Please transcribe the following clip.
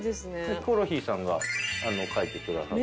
ヒコロヒーさんが描いてくださった。